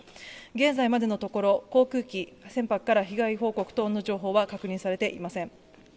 現在までのところ航空機、船舶から被害報告等の情報は確認されていません。